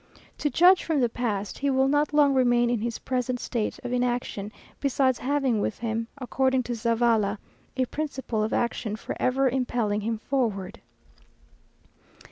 To judge from the past, he will not long remain in his present state of inaction, besides having within him, according to Zavala, "a principle of action for ever impelling him forward."